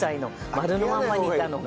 丸のまま煮たのが。